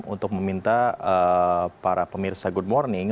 untuk meminta para pemirsa good morning